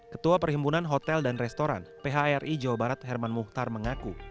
ketua perhimpunan hotel dan restoran phri jawa barat herman muhtar mengaku